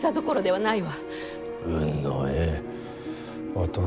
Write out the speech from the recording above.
運のええ男。